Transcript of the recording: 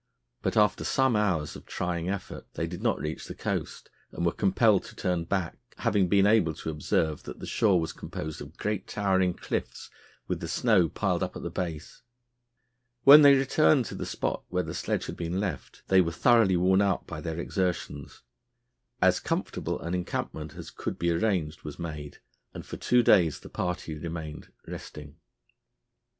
But after some hours of trying effort they did not reach the coast, and were compelled to turn back, having been able to observe that the shore was composed of great towering cliffs with the snow piled up at the base. When they returned to the spot where the sledge had been left, they were thoroughly worn out by their exertions. As comfortable an encampment as could be arranged was made, and for two days the party remained resting.